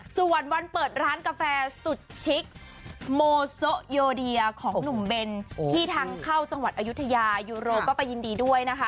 ส่วนวันเปิดร้านกาแฟสุดชิคโมโซโยเดียของหนุ่มเบนที่ทางเข้าจังหวัดอายุทยายูโรก็ไปยินดีด้วยนะคะ